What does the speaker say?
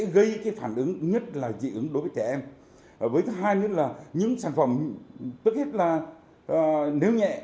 với thứ hai nữa là những sản phẩm tức hết là nếu nhẹ